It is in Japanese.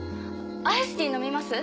アイスティー飲みます？